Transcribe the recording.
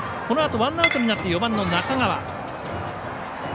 このあとワンアウトになって４番の中川。